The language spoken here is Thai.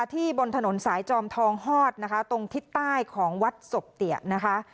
บนถนนสายจอมทองฮอดนะคะตรงทิศใต้ของวัดศพเตียนะคะ